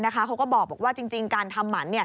เขาก็บอกว่าจริงการทำหมัน